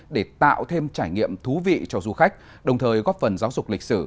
để tạo thêm trải nghiệm thú vị cho du khách đồng thời góp phần giáo dục lịch sử